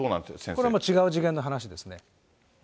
これは違う次元の話ですね。